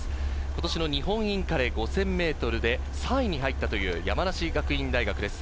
今年の日本インカレの５０００ｍで３位に入ったという山梨学院大学です。